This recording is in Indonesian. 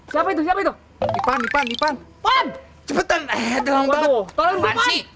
kecepatannya dalam bahasa